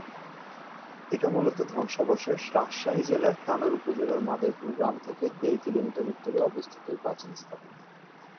এটা মূলত ধ্বংসাবশেষ রাজশাহী জেলার তানোর উপজেলার মাদারীপুর গ্রাম থেকে দেড় কিলোমিটার উত্তরে অবস্থিত এই প্রাচীন স্থাপনা।।